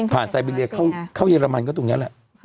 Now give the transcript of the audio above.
ไซบิเลียเข้าเยอรมันก็ตรงนี้แหละ